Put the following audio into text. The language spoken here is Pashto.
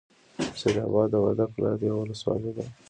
سیدآباد د وردک ولایت یوه ولسوالۍ ده.